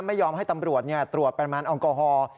ไม่ยอมให้ตำรวจตรวจประมาณแอลกอฮอล์